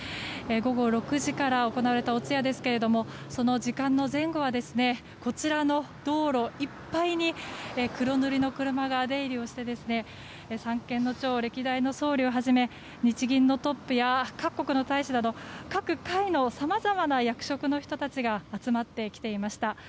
午後６時から行われたお通夜ですけどもその時間の前後はこちらの道路いっぱいに黒塗りの車が出入りをして三権の長、歴代の総理をはじめ日銀のトップや各国の大使など各界のさまざまな役職の人たちが集まってきていました。